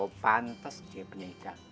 oh pantes dia penyanyi dangdut